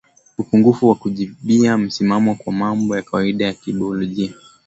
upungufu wa kujibia msisimuo kwa mambo ya kawaida ya kibiolojia